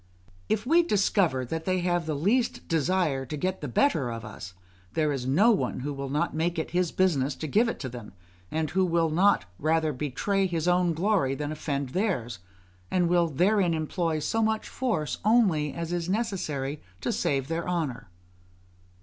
If we discover that they have the least desire to get the better of us, there is no one who will not make it his business to give it them, and who will not rather betray his own glory than offend theirs; and will therein employ so much force only as is necessary to save their honour.